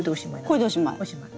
これでおしまい。